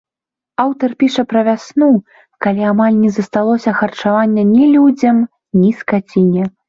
Аўтар піша пра вясну, калі амаль не засталося харчавання ні людзям, ні скаціне.